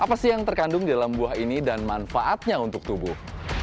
apa sih yang terkandung di dalam buah ini dan manfaatnya untuk tubuh